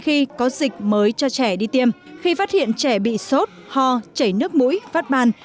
khi có dịch mới cho trẻ đi tiêm khi phát hiện trẻ bị sốt ho chảy nước mũi phát ban